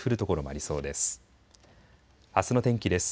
あすの天気です。